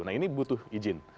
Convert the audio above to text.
nah ini butuh izin